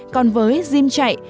còn với dìm chạy